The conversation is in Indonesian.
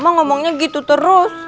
mama ngomongnya gitu terus